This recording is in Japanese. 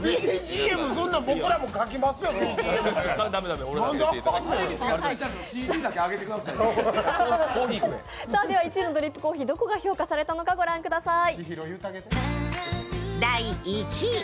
１位のドリップコーヒー、どこが評価されたのか、御覧ください。